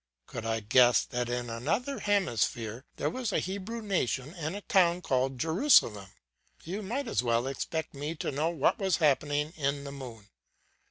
Could I guess that in another hemisphere there was a Hebrew nation and a town called Jerusalem? You might as well expect me to know what was happening in the moon.